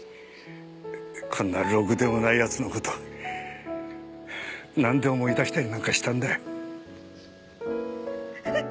こんなろくでもない奴の事なんで思い出したりなんかしたんだよ。